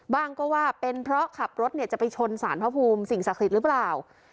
บ้างก็ว่าเป็นเพราะขับรถเนี่ยจะไปชนสารพระภูมิสิ่งศักดิ์สิทธิ์หรือเปล่า